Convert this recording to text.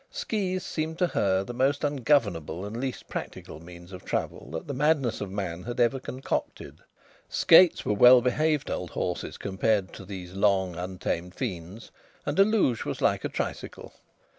Skis seemed to her to be the most ungovernable and least practical means of travel that the madness of man had ever concocted. Skates were well behaved old horses compared to these long, untamed fiends, and a luge was like a tricycle.